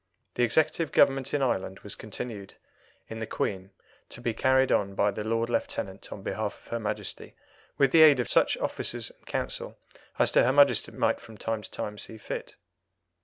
The executive government in Ireland was continued in the Queen, to be carried on by the Lord Lieutenant on behalf of her Majesty, with the aid of such officers and Council as to her Majesty might from time to time seem fit.